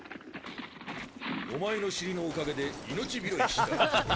お前の尻のおかげで命拾いしたわ。